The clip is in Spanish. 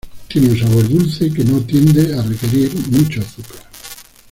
Tiene un sabor dulce que no tiende a requerir mucho azúcar.